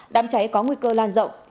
đám cháy có nguy cơ lan rộng